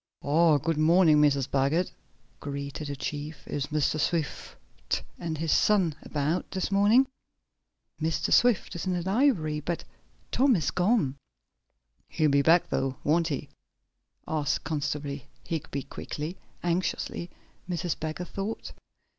"Ah, good morning, Mrs. Baggert," greeted the chief. "Is Mr. Swift and his son about this morning?" "Mr. Swift is in his library, but Tom is gone." "He'll be back though, won't he?" asked Constable Higby quickly anxiously, Mrs. Baggert thought.